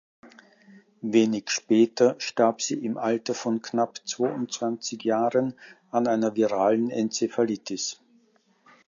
Wenig später starb sie im Alter von knapp zweiundzwanzig Jahren an einer viralen Enzephalitis.